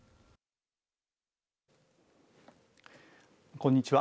こんにちは。